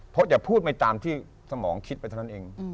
เพราะอย่าพูดไปตามที่สมองคิดไปเท่านั้นเอง